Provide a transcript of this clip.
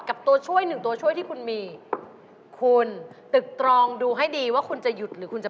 คุณสายและคุณต๊าไปไหมคะไปค่ะ